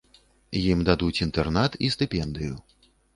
Ім дадуць інтэрнат і стыпендыю.